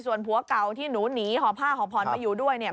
ส่วนผัวเก่าที่หนูหนีห่อผ้าห่อพรมาอยู่ด้วยเนี่ย